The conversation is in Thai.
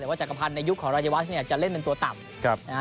แต่ว่าจักรพันธ์ในยุคของรายวัชเนี่ยจะเล่นเป็นตัวต่ำนะฮะ